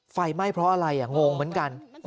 ไฟไหม้เพราะอะไรงงเหมือนกัน